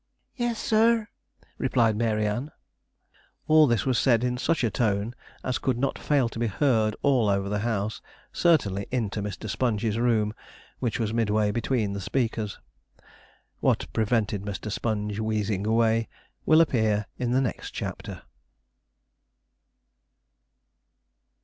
'Yes, sir,' replied Mary Ann. All this was said in such a tone as could not fail to be heard all over the house; certainly into Mr. Sponge's room, which was midway between the speakers. What prevented Mr. Sponge wheezing away, will appear in the next chapter.